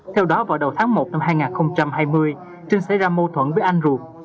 theo đó vào đầu tháng một năm hai nghìn hai mươi trinh xảy ra mâu thuẫn với anh ruột